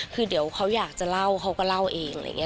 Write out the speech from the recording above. คือเดี๋ยวเขาอยากจะเล่าเขาก็เล่าเอง